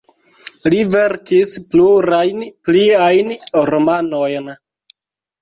Li verkis plurajn pliajn romanojn.